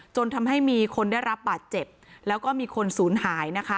จนทำให้มีคนได้รับบาดเจ็บแล้วก็มีคนศูนย์หายนะคะ